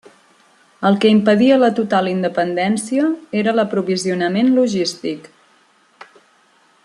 El que impedia la total independència era l'aprovisionament logístic.